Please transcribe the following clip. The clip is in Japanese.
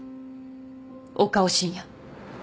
岡尾芯也。